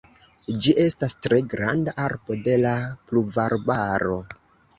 Ĝi estas tre granda arbo de la pluvarbaro.